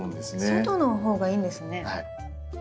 外の方がいいんですね。